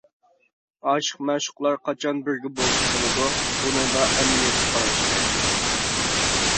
ئاشىق-مەشۇقلار قاچان بىرگە بولسا بولىدۇ؟ بۇنىڭدا ئەمەلىيەتكە قاراش كېرەك.